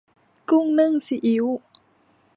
กุ้งนึ่งซีอิ๊ว